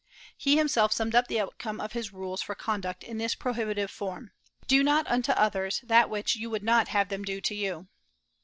He himself summed up the outcome of his rules for conduct in this prohibitive form: "Do not unto others that which you would not have them do to you."